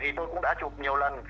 thì tôi cũng đã chụp nhiều lần